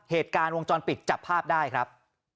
เหตุการณ์วงจรปิดจับภาพได้ครับ